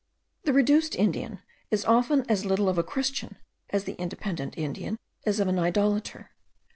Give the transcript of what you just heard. The reduced Indian is often as little of a Christian as the independent Indian is of an idolater.